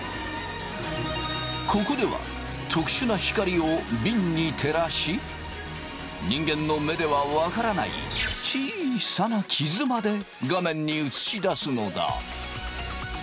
ここでは特殊な光をびんに照らし人間の目では分からないちいさなキズまで画面に映し出すのだ。